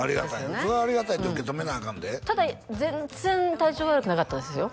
それはありがたいって受け止めなアカンでただ全然体調悪くなかったですよ